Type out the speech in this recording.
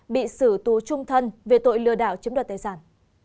bị xử tù chung thân về tội lừa đảo chứng đoạt tài sản